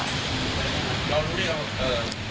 แล้วรู้เรื่อง